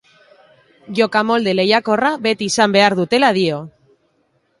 Jokamolde lehiakorra beti izan behar dutela dio.